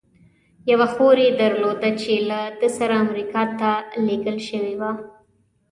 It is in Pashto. یوه خور یې درلوده، چې له ده سره امریکا ته لېږل شوې وه.